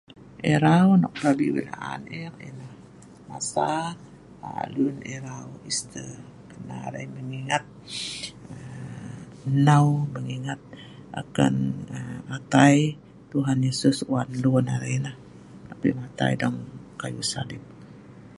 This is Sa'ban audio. Irau nok pelabi wei laan eek, masa luen irau easther nan arai nnau pengingat akan atai Tuhan Yesus wan luen arai nah. Matai dong kayu salib